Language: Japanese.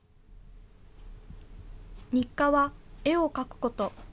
日課は絵を描くこと。